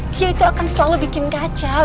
dia itu akan selalu bikin kacau